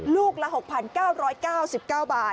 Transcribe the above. ลูกละ๖๙๙๙๙บาท